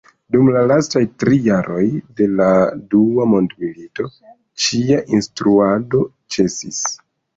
Dum la lastaj tri jaroj de la Dua mondmilito ĉia instruado ĉesis.